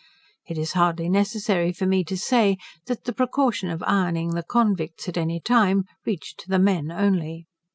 It is hardly necessary for me to say, that the precaution of ironing the convicts at any time reached to the men only.